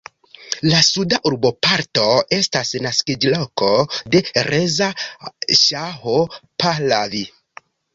La suda urboparto estas naskiĝloko de Reza Ŝaho Pahlavi.